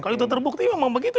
kalau itu terbukti memang begitu